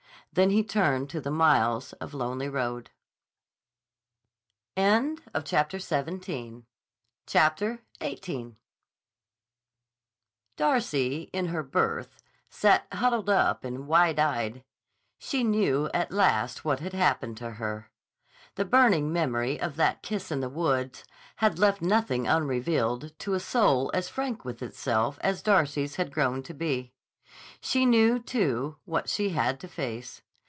Then he turned to the miles of lonely road. CHAPTER XVIII DARCY, in her berth, sat huddled up and wide eyed. She knew at last what had happened to her. The burning memory of that kiss in the woods had left nothing unrevealed to a soul as frank with itself as Darcy's had grown to be. She knew, too, what she had to face.